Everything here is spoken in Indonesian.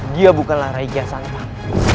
dia bukanlah rai kian santang